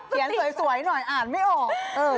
เขียนสวยหน่อยอ่านไม่ออก